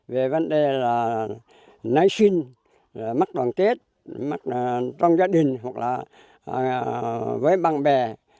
về vấn đề nơi sinh mắc đoàn kết trong gia đình hoặc là với bạn bè